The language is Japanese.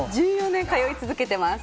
１４年通い続けています。